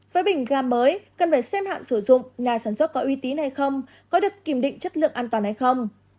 với bình ga mới cần phải xem hạn sử dụng nhà sản xuất có uy tín hay không có được kiểm định chất lượng an toàn hay không